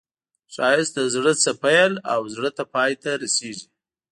ښایست له زړه نه پیل او زړه ته پای ته رسېږي